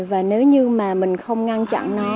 và nếu như mà mình không ngăn chặn nó